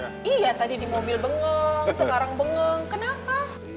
iya tadi di mobil bengong sekarang bengeng kenapa